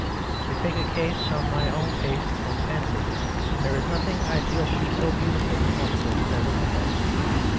To take a case from my own taste and fancy, there is nothing I feel to be so beautiful and wonderful as a window.